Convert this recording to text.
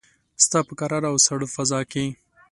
ستا په کراره او ساړه فضاکې